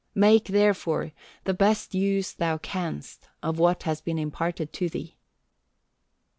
Make, therefore, the best use thou canst of what has been imparted to thee."